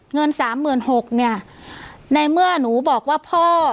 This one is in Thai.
เงินสามหมื่นหกเนี่ยในเมื่อหนูบอกว่าพ่อ